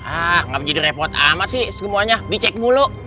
ah nggak menjadi repot amat sih semuanya dicek mulu